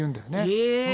へえ。